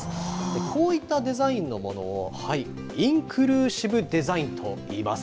こういったデザインのものを、インクルーシブデザインといいます。